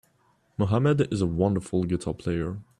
Mohammed is a wonderful guitar player.